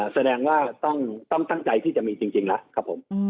แสดงว่าต้องตั้งใจที่จะมีจริงแล้วครับผม